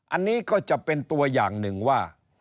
อันนี้ก็จะเป็นตัวอย่างหนึ่งว่า